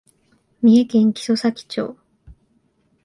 三重県木曽岬町